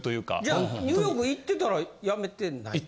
じゃあニューヨーク行ってたら辞めてない？